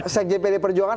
saya kira pdi perjuangan